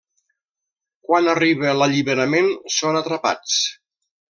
Quan arriba l'Alliberament, són atrapats.